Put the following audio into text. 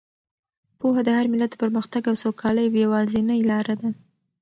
پوهه د هر ملت د پرمختګ او سوکالۍ یوازینۍ لاره ده.